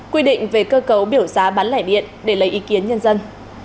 quy định về cơ cấu biểu giá bán lẻ điện để lấy ý kiến nhân dân